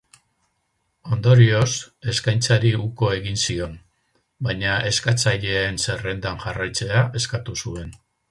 Ondorioz, eskaintzari uko egin zion, baina eskatzaileen zerrendan jarraitzea eskatu zuen.